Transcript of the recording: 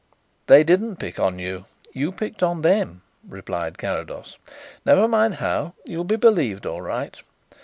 "They didn't pick on you you picked on them," replied Carrados. "Never mind how; you'll be believed all right.